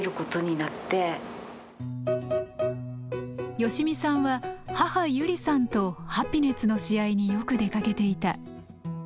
善美さんは母ユリさんとハピネッツの試合によく出かけていた。